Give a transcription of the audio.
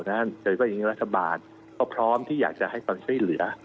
เพราะฉะนั้นในวันนี้รัฐบาลก็พร้อมที่อยากจะให้ความช่วยเหลือ